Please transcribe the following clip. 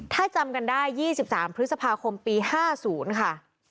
ถ้าจำกันได้๒๓พฤษภาคมปี๕๐ค่ะ